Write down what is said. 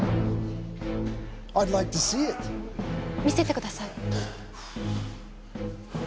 「見せてください」。